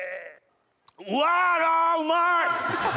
うわうまい！